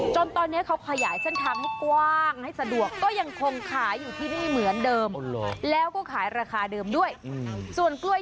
จนตอนนี้เขาขยายสั้นทางให้กว้างให้สะดวก